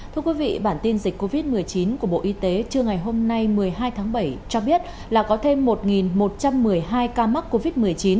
thưa quý vị bản tin dịch covid một mươi chín của bộ y tế trưa ngày hôm nay một mươi hai tháng bảy cho biết là có thêm một một trăm một mươi hai ca mắc covid một mươi chín